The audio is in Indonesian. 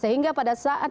sehingga pada saat